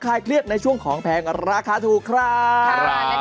ลายเครียดในช่วงของแพงราคาถูกครับ